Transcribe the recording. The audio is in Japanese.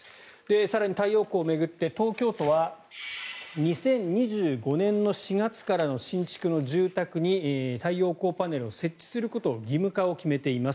更に太陽光を巡って東京都は２０２５年４月からの新築の住宅に太陽光パネルを設置することの義務化を決めています。